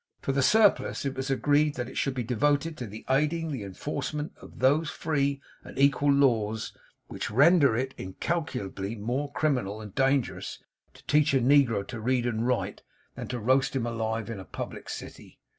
For the surplus, it was agreed that it should be devoted to aiding the enforcement of those free and equal laws, which render it incalculably more criminal and dangerous to teach a negro to read and write than to roast him alive in a public city.